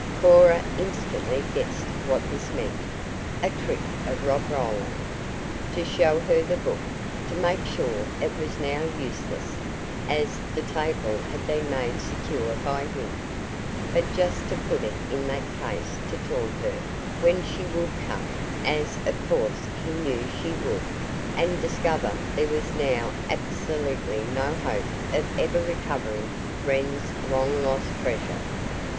Cora instantly guessed what this meant a trick of Rob Roland. To show her the book! To make sure it was now useless, as the table had been made secure by him, but just to put it in that case to taunt her, when she would come, as of course he knew she would, and discover there was now absolutely no hope of ever recovering Wren's long lost treasure.